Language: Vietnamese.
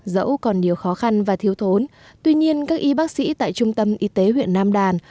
dẫu còn nhiều khó khăn và thiếu thốn tuy nhiên các y bác sĩ tại trung tâm y tế huyện nam đàn